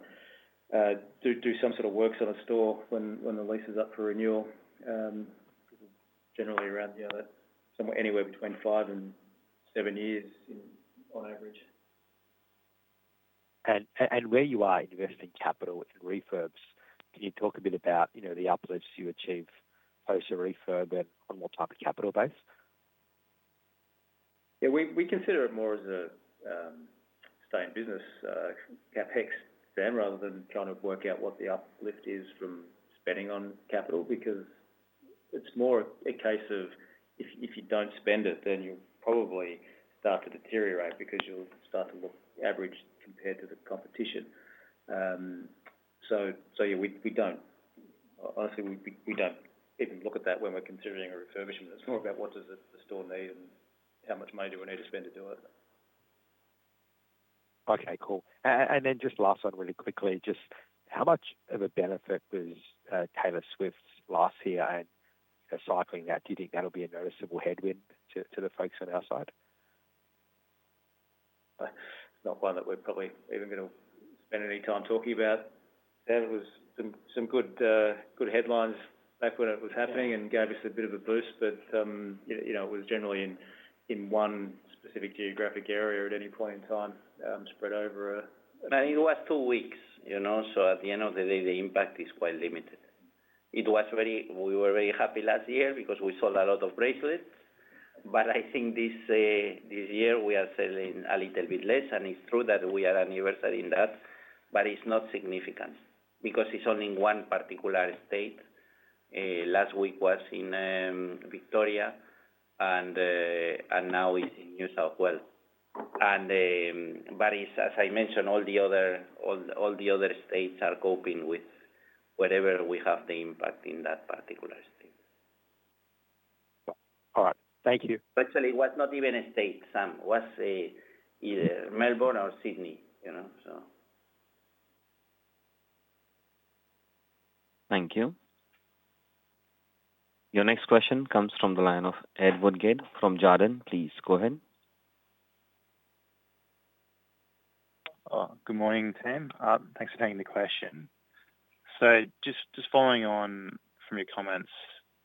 do some sort of works on the store when the lease is up for renewal. Generally, around somewhere anywhere between five and seven years on average. Where you are investing capital in refurbs, can you talk a bit about the uplifts you achieve post a refurb and on what type of capital base? Yeah. We consider it more as a stay-in-business CapEx spend rather than trying to work out what the uplift is from spending on capital because it's more a case of if you don't spend it, then you'll probably start to deteriorate because you'll start to look average compared to the competition. So yeah, honestly, we don't even look at that when we're considering a refurbishment. It's more about what does the store need and how much money do we need to spend to do it. Okay. Cool. And then just last one really quickly. Just how much of a benefit was Taylor Swift's last year and cycling that? Do you think that'll be a noticeable headwind to the folks on our side? It's not one that we're probably even going to spend any time talking about. That was some good headlines back when it was happening and gave us a bit of a boost. But it was generally in one specific geographic area at any point in time spread over a. I mean, it was two weeks. So at the end of the day, the impact is quite limited. We were very happy last year because we sold a lot of bracelets. But I think this year we are selling a little bit less. And it's true that we had an anniversary in that, but it's not significant because it's only in one particular state. Last week was in Victoria, and now it's in New South Wales. But as I mentioned, all the other states are coping with wherever we have the impact in that particular state. All right. Thank you. Actually, it was not even a state, Sam. It was either Melbourne or Sydney, so. Thank you. Your next question comes from the line of Ed Woodgate from Jarden. Please go ahead. Good morning. Thanks for taking the question. So just following on from your comments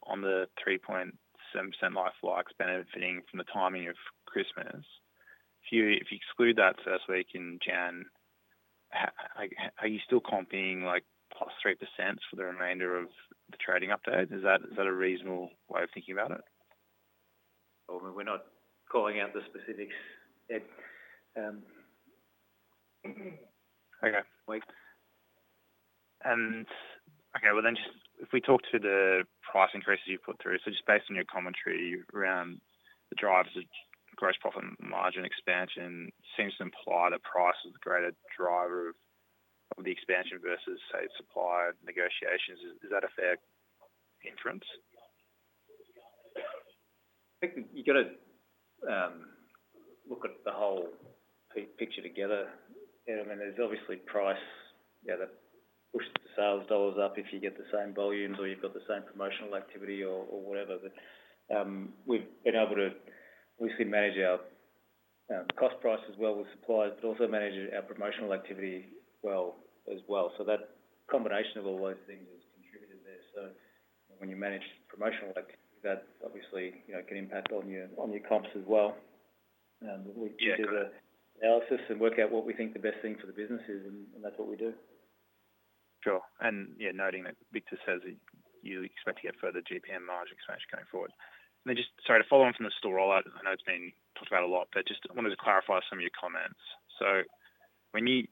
on the 3.7% LFLs benefiting from the timing of Christmas, if you exclude that first week in January, are you still comping plus 3% for the remainder of the trading update? Is that a reasonable way of thinking about it? We're not calling out the specifics yet. If we talk to the price increases you put through, so just based on your commentary around the drivers of gross profit margin expansion, it seems to imply that price is the greater driver of the expansion versus, say, supply negotiations. Is that a fair inference? I think you've got to look at the whole picture together. I mean, there's obviously price that pushes the sales dollars up if you get the same volumes or you've got the same promotional activity or whatever. But we've been able to obviously manage our cost price as well with suppliers, but also manage our promotional activity well as well. So that combination of all those things has contributed there. So when you manage promotional activity, that obviously can impact on your comps as well. And we do the analysis and work out what we think the best thing for the business is, and that's what we do. Sure. And yeah, noting that Victor says you expect to get further GPM margin expansion going forward. And then just, sorry, to follow on from the store rollout, I know it's been talked about a lot, but just wanted to clarify some of your comments. So when you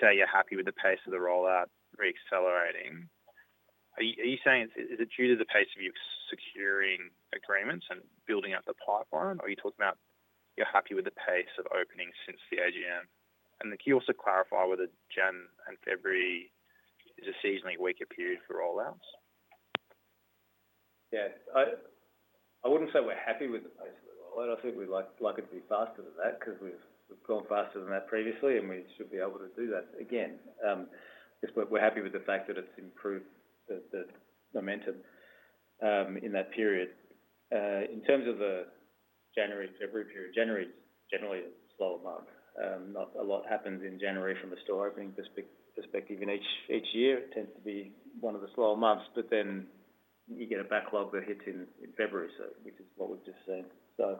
say you're happy with the pace of the rollout re-accelerating, are you saying is it due to the pace of you securing agreements and building up the pipeline, or are you talking about you're happy with the pace of opening since the AGM? And can you also clarify whether January and February is a seasonally weaker period for rollouts? Yeah. I wouldn't say we're happy with the pace of the rollout. I think we'd like it to be faster than that because we've gone faster than that previously, and we should be able to do that again. We're happy with the fact that it's improved the momentum in that period. In terms of the January-February period, January is generally a slower month. A lot happens in January from a store opening perspective, and each year, it tends to be one of the slower months, but then you get a backlog that hits in February, which is what we've just seen, so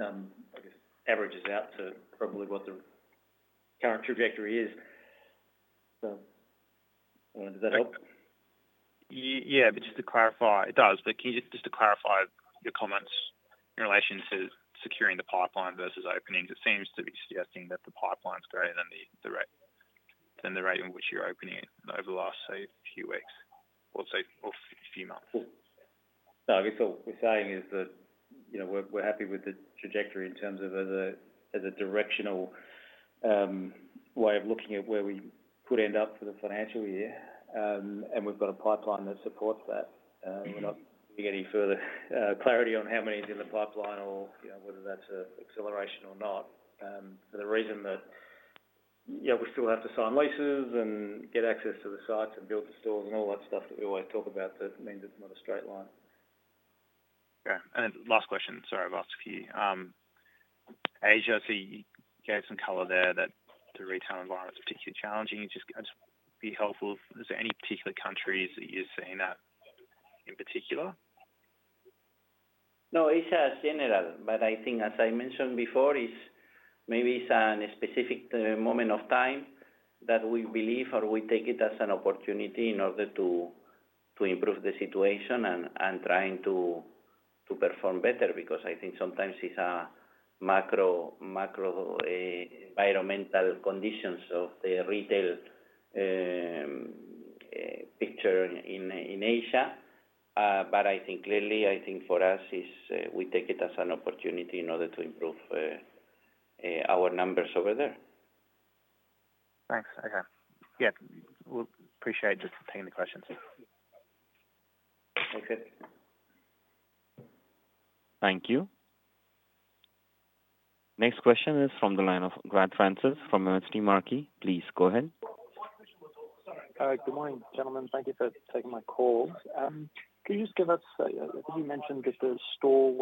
I guess averages out to probably what the current trajectory is, so does that help? Yeah. But just to clarify, it does. But just to clarify your comments in relation to securing the pipeline versus openings, it seems to be suggesting that the pipeline's greater than the rate in which you're opening it over the last, say, few weeks or a few months. No. I guess what we're saying is that we're happy with the trajectory in terms of as a directional way of looking at where we could end up for the financial year. And we've got a pipeline that supports that. We're not getting any further clarity on how many is in the pipeline or whether that's an acceleration or not for the reason that we still have to sign leases and get access to the sites and build the stores and all that stuff that we always talk about that means it's not a straight line. Okay. And then last question. Sorry, last few. Asia, so you gave some color there that the retail environment's particularly challenging. Just be helpful. Is there any particular countries that you're seeing that in particular? No, it's general, but I think, as I mentioned before, maybe it's a specific moment of time that we believe or we take it as an opportunity in order to improve the situation and trying to perform better because I think sometimes it's macro environmental conditions of the retail picture in Asia, but I think clearly, I think for us, we take it as an opportunity in order to improve our numbers over there. Thanks. Okay. Yeah. We appreciate just taking the questions. Okay. Thank you. Next question is from the line of Garth Francis from MST Marquee. Please go ahead. Good morning, gentlemen. Thank you for taking my call. Can you just give us? I think you mentioned that the store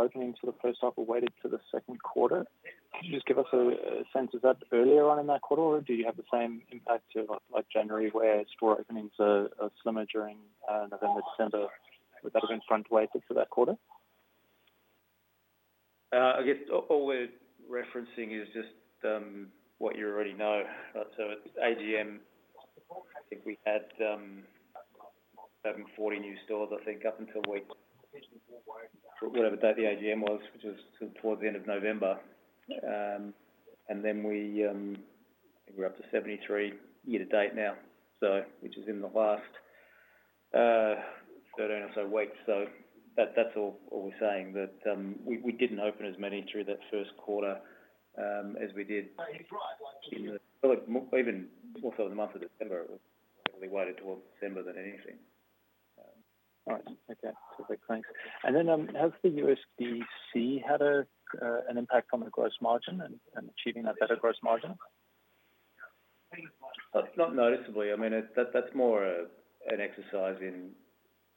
openings for the first half were weighted to the second quarter. Can you just give us a sense? Is that earlier on in that quarter, or do you have the same impact to January where store openings are slimmer during November, December? Would that have been front-weighted for that quarter? I guess all we're referencing is just what you already know. So at AGM, I think we had 740 new stores, I think, up until whatever date the AGM was, which was towards the end of November. And then we're up to 73 year to date now, which is in the last 13 or so weeks. So that's all we're saying, that we didn't open as many through that first quarter as we did. He's right. Even more so in the month of December, it was definitely weighted towards December than anything. All right. Okay. Terrific. Thanks. And then has the USD had an impact on the gross margin and achieving that better gross margin? Not noticeably. I mean, that's more an exercise in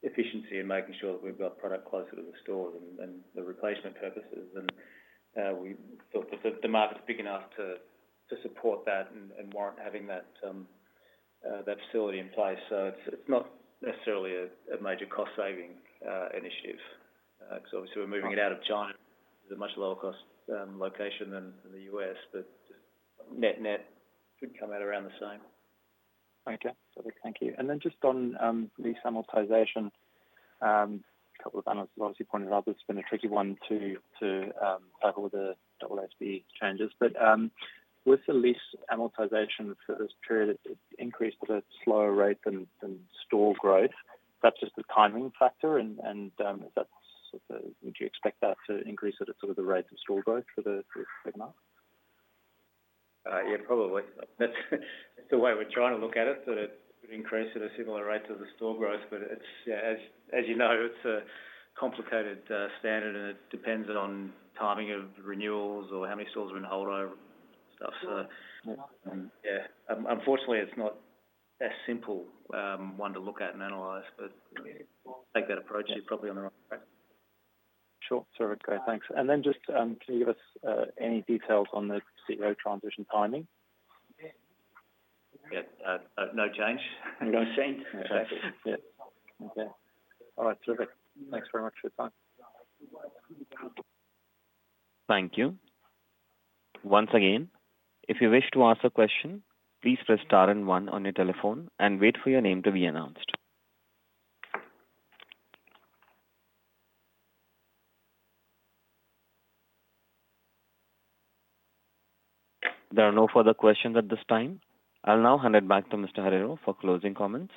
efficiency and making sure that we've got product closer to the stores and the replacement purposes. And we thought that the market's big enough to support that and warrant having that facility in place. So it's not necessarily a major cost-saving initiative. So obviously, we're moving it out of China. It's a much lower-cost location than the U.S., but just net-net should come out around the same. Okay. Terrific. Thank you. And then just on lease amortization, a couple of analysts have obviously pointed out this has been a tricky one to tackle with the AASB changes. But with the lease amortization for this period, it's increased at a slower rate than store growth. That's just the timing factor. And would you expect that to increase at a sort of the rate of store growth for the FY marks? Yeah, probably. That's the way we're trying to look at it, that it would increase at a similar rate to the store growth. But as you know, it's a complicated standard, and it depends on timing of renewals or how many stores are in holdover stuff. So yeah, unfortunately, it's not a simple one to look at and analyze, but take that approach. You're probably on the right track. Sure. Terrific. Okay. Thanks. And then just can you give us any details on the CEO transition timing? Yeah. No change. No change? Exactly. Yeah. Okay. All right. Terrific. Thanks very much for your time. Thank you. Once again, if you wish to ask a question, please press star and one on your telephone and wait for your name to be announced. There are no further questions at this time. I'll now hand it back to Mr. Herrero for closing comments.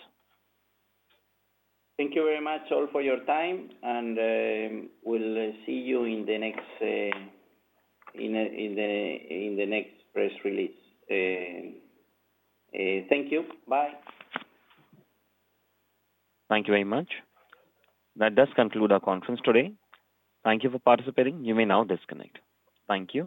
Thank you very much all for your time, and we'll see you in the next press release. Thank you. Bye. Thank you very much. That does conclude our conference today. Thank you for participating. You may now disconnect. Thank you.